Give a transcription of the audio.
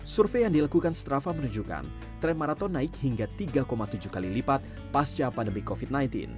survei yang dilakukan strava menunjukkan tren maraton naik hingga tiga tujuh kali lipat pasca pandemi covid sembilan belas